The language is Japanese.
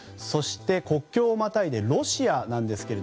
そして、国境をまたいでロシアです。